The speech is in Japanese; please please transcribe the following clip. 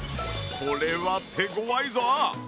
これは手ごわいぞ！